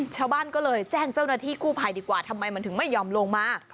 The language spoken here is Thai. ชาวบ้านก็เลยแจ้งเจ้าหน้าที่กู้ภัยดีกว่าทำไมมันถึงไม่ยอมลงมา